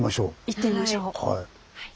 行ってみましょう。